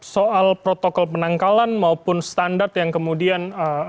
soal protokol penangkalan maupun standar yang kemudian